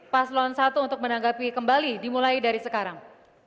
paslon satu untuk menanggapi kembali dimulai dari sekarang